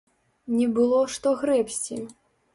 Не было што грэбсці!